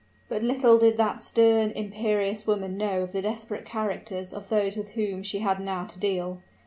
But little did that stern, imperious woman know of the desperate characters of those with whom she had now to deal.